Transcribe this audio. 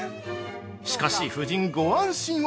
しかし、夫人ご安心を！